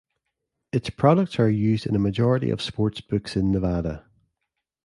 Its products are used in a majority of sportsbooks in Nevada.